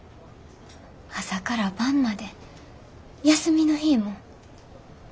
朝から晩まで休みの日も。